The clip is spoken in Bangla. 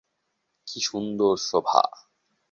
কী সুন্দর শোভা।